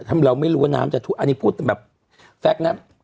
ถ้าเราไม่รู้ว่าน้ำจะทุบอันนี้พูดแบบแซ็กนะ